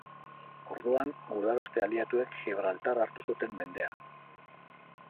Orduan, gudaroste aliatuek Gibraltar hartu zuten mendean.